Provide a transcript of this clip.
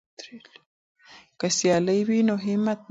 که سیالي وي نو همت نه مري.